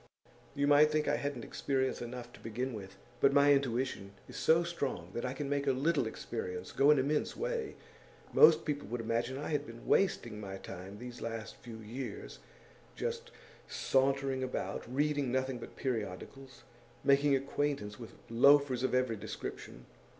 You might think I hadn't experience enough, to begin with. But my intuition is so strong that I can make a little experience go an immense way. Most people would imagine I had been wasting my time these last few years, just sauntering about, reading nothing but periodicals, making acquaintance with loafers of every description.